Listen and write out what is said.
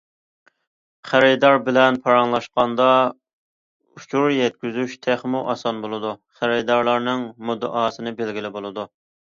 خېرىدار بىلەن پاراڭلاشقاندا ئۇچۇر يەتكۈزۈش تېخىمۇ ئاسان بولىدۇ، خېرىدارنىڭ مۇددىئاسىنى بىلگىلى بولىدۇ.